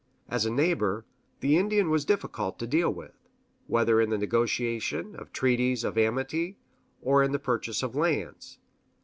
As a neighbor, the Indian was difficult to deal with, whether in the negotiation of treaties of amity, or in the purchase of lands.